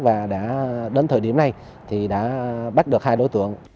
và đã đến thời điểm này thì đã bắt được hai đối tượng